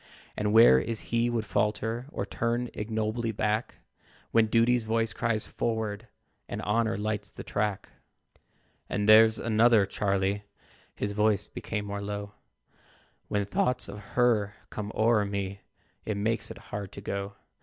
And where is he would falter, Or turn ignobly back, When Duty's voice cries 'Forward,' And Honor lights the track? "And there's another, Charlie (His voice became more low), When thoughts of HER come o'er me, It makes it hard to go.